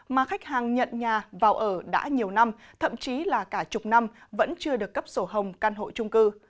mà khách hàng nhận nhà vào ở đã nhiều năm thậm chí là cả chục năm vẫn chưa được cấp sổ hồng căn hộ trung cư